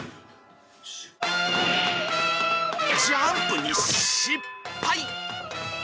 ジャンプに失敗。